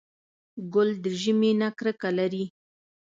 ګل د ژمي نه کرکه لري.